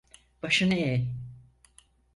Başını eğ!